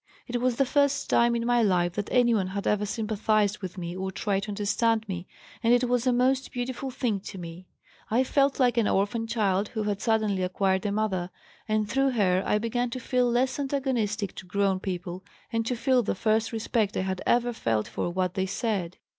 It was the first time in my life that anyone had ever sympathized with me or tried to understand me and it was a most beautiful thing to me. I felt like an orphan child who had suddenly acquired a mother, and through her I began to feel less antagonistic to grown people and to feel the first respect I had ever felt for what they said.